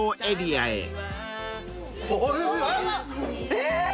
えっ！